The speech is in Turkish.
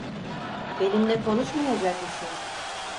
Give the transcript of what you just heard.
Benimle konuşmayacak mısın?